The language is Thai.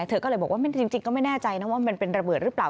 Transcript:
เธอก็เลยบอกว่าจริงก็ไม่แน่ใจนะว่ามันเป็นระเบิดหรือเปล่า